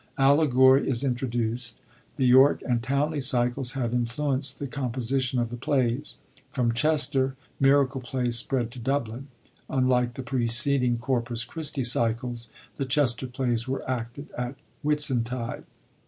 * Allegory is intro duced. The York and Towneley cycles have influenced the composition of the plays. From Chester, miracle plays spread to Dublin. Unlike the preceding Corpus Christi cycles, the Chester plays were acted at Whit suntide.